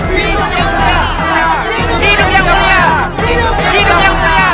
hidup yang mulia